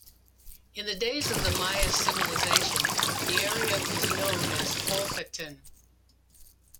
In the days of the Maya civilization, the area was known as Holpatin.